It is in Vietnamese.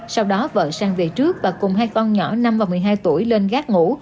sau đó vợ sang về trước và cùng hai con nhỏ năm và một mươi hai tuổi lên gác ngủ